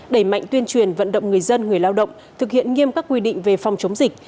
đẩy mạnh tuyên truyền vận động người dân người lao động thực hiện nghiêm các quy định về phòng chống dịch